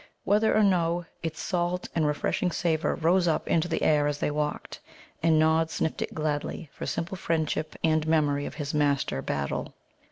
Whether or no, its salt and refreshing savour rose up into the air as they walked. And Nod sniffed it gladly for simple friendship and memory of his master Battle.